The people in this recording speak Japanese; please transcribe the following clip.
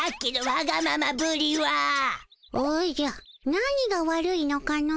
何が悪いのかの？